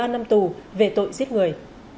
một mươi ba năm tù về tội giết người